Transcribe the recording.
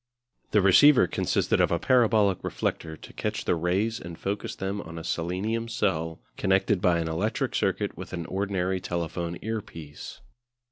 The receiver consisted of a parabolic reflector to catch the rays and focus them on a selenium cell connected by an electric circuit with an ordinary telephone earpiece.